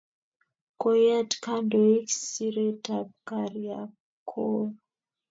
Koyat kandoik siretab kariakor